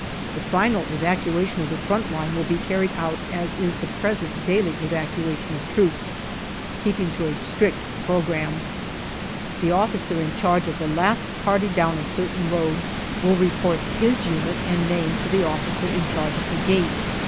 The final evacuation of the front line will be carried out as is the present daily evacuation of troops, keeping to a strict programme. The officer in charge of the last party down a certain road will report his unit and name to the officer in charge of the gate.